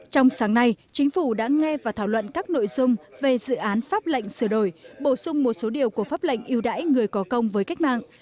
trong sáng nay chính phủ đã nghe và thảo luận các nội dung về dự án pháp lệnh sửa đổi bổ sung một số điều của pháp lệnh yêu đáy người có công với cách mạng